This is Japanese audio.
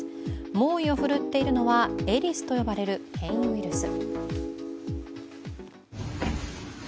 猛威を振るっているのはエリスと呼ばれる変異ウイルス。